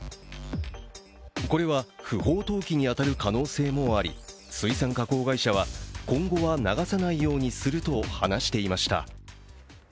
これは、不法投棄に当たる可能性もあり水産加工会社は、今後は流さないようにすると話していました。